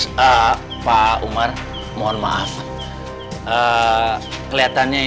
selalu bergabung bersama para penyertaan di